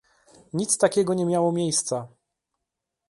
Nic takiego nie miało miejsca